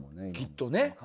きっとね。